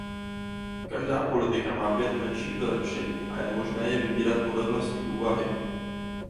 Každá politika má pět menších vylepšení a je možné je vybírat podle vlastní úvahy.